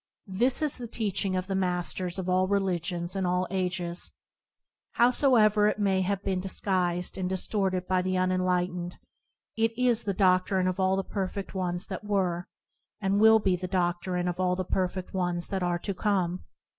This is the teaching of the Masters of religion in all ages. Howso ever it may have been disguised and dis torted by the unenlightened, it is the doc trine of all the perfect ones that were, and will be the do&rine of all the perfect ones that are to come.